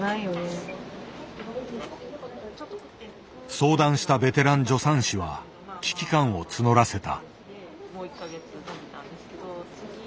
相談したベテラン助産師は危機感を募らせた。